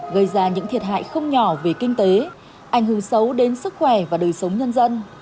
gây ra những thiệt hại không nhỏ về kinh tế ảnh hưởng xấu đến sức khỏe và đời sống nhân dân